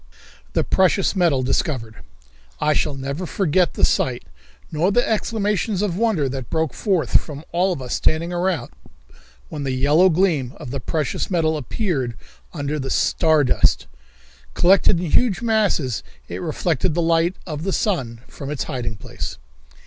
The Precious Metal Discovered. I shall never forget the sight, nor the exclamations of wonder that broke forth from all of us standing around, when the yellow gleam of the precious metal appeared under the "star dust." Collected in huge masses it reflected the light of the sun from its hiding place.